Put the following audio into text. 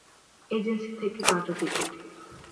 Agency থেকে কাটা ticket.